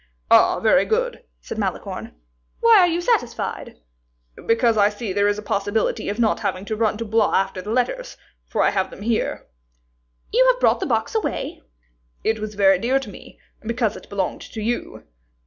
"Ah, very good," said Malicorne. "Why are you satisfied?" "Because I see there is a possibility of not having to run to Blois after the letters, for I have them here." "You have brought the box away?" "It was very dear to me, because it belonged to you."